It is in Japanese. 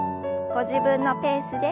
ご自分のペースで。